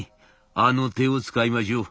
あの手を使いましょう。